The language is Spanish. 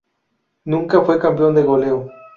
Nunca fue campeón de goleo.